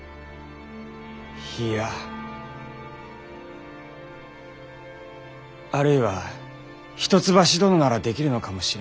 いいやあるいは一橋殿ならできるのかもしれぬ。